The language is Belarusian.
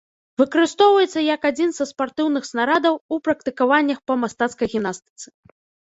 Выкарыстоўваецца як адзін са спартыўных снарадаў у практыкаваннях па мастацкай гімнастыцы.